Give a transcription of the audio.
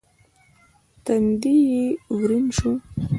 تندی يې ورين شو.